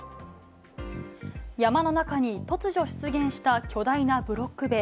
山の中に突如出現した巨大なブロック塀。